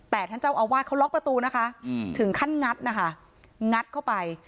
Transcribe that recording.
แต่ท่านเจ้าอาวาสเขาล็อกประตูนะคะถึงขั้นงัดนะคะงัดเข้าไป